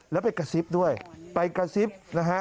แล้วไปกระซิบด้วยไปกระซิบนะฮะ